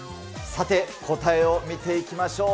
さて、答えを見ていきましょう。